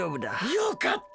よかった。